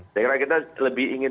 saya kira kita lebih ingin